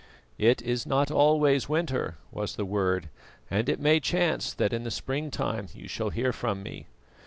"It is not always winter," was the word, "and it may chance that in the springtime you shall hear from me."